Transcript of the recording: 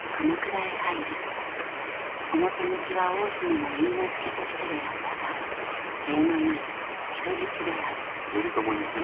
表向きは大姫の許婚としてであったが体のよい人質である。